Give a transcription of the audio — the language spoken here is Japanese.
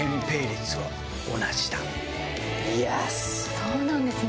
そうなんですね。